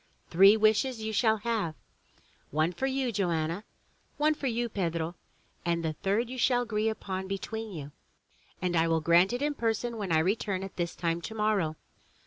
Three wishes you shall have, — one for you, Joanna, — one for you, Pedro, — and the third you shall agree upon between you and I will grant it in person when I return at this time tomorrow.''